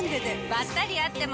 ばったり会っても。